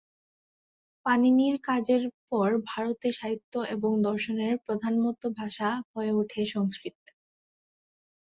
পাণিনির কাজের পর ভারতে সাহিত্য এবং দর্শনের প্রধানতম ভাষা হয়ে ওঠে সংস্কৃত।